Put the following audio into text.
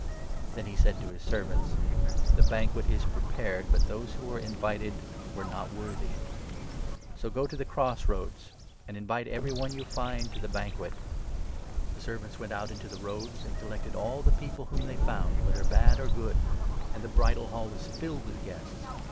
Then he said to his servants ' The banquet is pre 8 pared, but those who were invited were not worthy. So 9 go to the cross roads, and invite every one you find to the banquet.' The servants went out into the roads and collected 10 all the people whom they found, whether bad or good ; and the bridal hall was filled with guests.